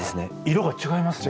色が違いますね。